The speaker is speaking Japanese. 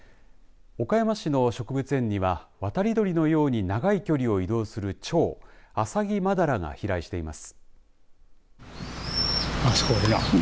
岡山市の植物園には渡り鳥のように長い距離を移動するチョウアサギマダラが飛来しています。